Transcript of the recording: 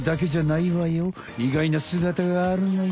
いがいなすがたがあるのよ。